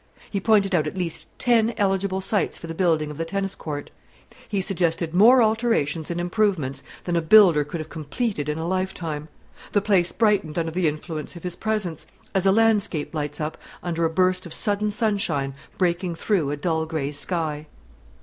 He pointed out at least ten eligible sites for the building of the tennis court; he suggested more alterations and improvements than a builder could have completed in a lifetime. The place brightened under the influence of his presence, as a landscape lights up under a burst of sudden sunshine breaking through a dull grey sky.